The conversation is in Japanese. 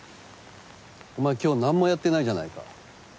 お前今日何もやってないじゃないか。